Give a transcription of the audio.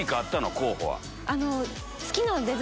候補は。